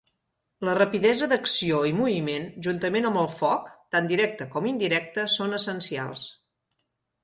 La rapidesa d'acció i moviment, juntament amb el foc, tant directe com indirecte, són essencials.